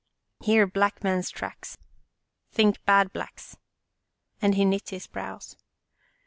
Here black man's tracks. Think bad Blacks," and he knit his brows.